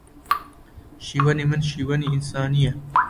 شیوەنی من شیوەنی ئینسانییە